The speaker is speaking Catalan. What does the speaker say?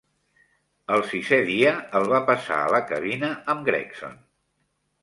El sisè dia el va passar a la cabina amb Gregson.